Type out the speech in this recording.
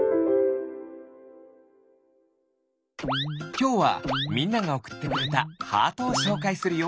きょうはみんながおくってくれたハートをしょうかいするよ。